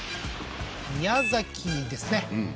宮崎ですね